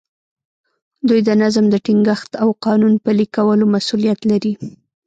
دوی د نظم د ټینګښت او قانون پلي کولو مسوولیت لري.